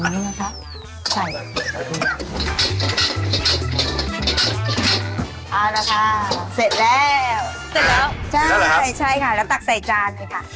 เสร็จแล้วใช่ใช่ค่ะแล้วตักใส่จานหน่อยค่ะ